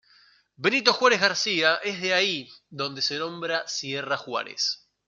Benito Juárez García, es de ahí donde se nombra Sierra Juárez.